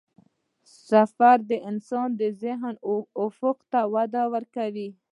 سفر د انسان ذهني افق ته وده ورکوي.